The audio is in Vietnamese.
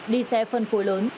đi xe phân khối lớn